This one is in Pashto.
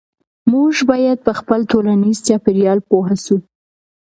موږ باید په خپل ټولنیز چاپیریال پوه سو.